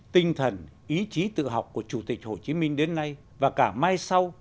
tinh thần ý chí tự học của chủ tịch hồ chí minh đến nay và cả mai sau